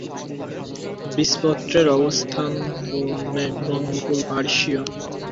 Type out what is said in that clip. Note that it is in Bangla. মূলত সব সুবিধা থেকে দূরত্বের কারণে এটি একটি ছোটো অনুন্নত শহর।